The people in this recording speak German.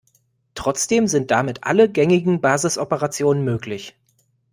Trotzdem sind damit alle gängigen Basisoperationen möglich.